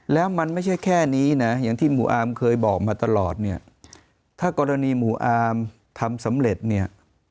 แล้วมันไม่ใช่แค่นี้นะอย่างที่หมู่อาร์มเคยบอกมาตลอดเนี่ยถ้ากรณีหมู่อาร์มทำสำเร็จเนี่ย